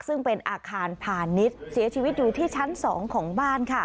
ซึ่งเป็นอาคารพาณิชย์เสียชีวิตอยู่ที่ชั้น๒ของบ้าน